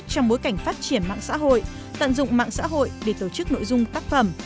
trong bối cảnh phát triển mạng xã hội tận dụng mạng xã hội để tổ chức nội dung tác phẩm